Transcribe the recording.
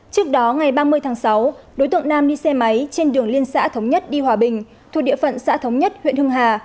trước đó ngày ba mươi tháng sáu đối tượng nam đi xe máy trên đường liên xã thống nhất đi hòa bình thuộc địa phận xã thống nhất huyện hưng hà